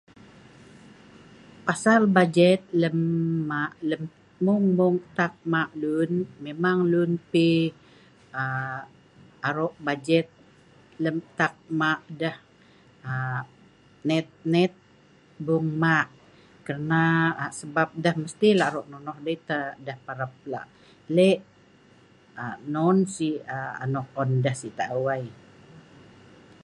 pasal bajet lem hma' lem mung mung tak ma' lun memang lun pi aa arok bajet lem tak ma' deh aa net net bung ma karna aa sebab deh mesti lak arok nonoh dei teh deh parap lak lek aa non sik aa anok on deh sik taeu ai